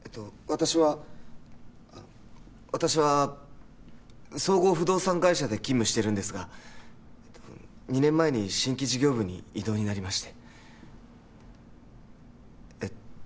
私は私は総合不動産会社で勤務しているんですが２年前に新規事業部に異動になりましてえっ